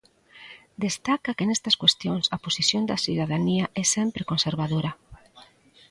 Destaca que nestas cuestións a posición da cidadanía é sempre conservadora.